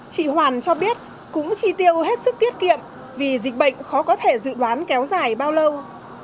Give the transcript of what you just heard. chị hoàn cho biết cũng chi tiêu hết sức tiết kiệm vì dịch bệnh khó có thể dự đoán kéo dài bao lâu